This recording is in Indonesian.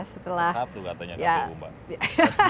satu katanya satu mbak